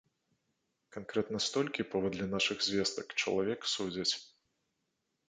Канкрэтна столькі, паводле нашых звестак, чалавек судзяць.